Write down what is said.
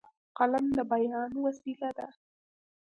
قلم د بیان وسیله ده.